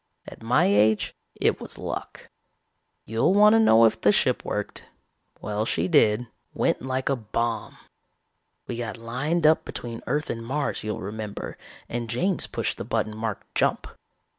At my age it was luck. "You'll want to know if the ship worked. Well, she did. Went like a bomb. We got lined up between Earth and Mars, you'll remember, and James pushed the button marked 'Jump'.